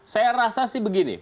saya rasa sih begini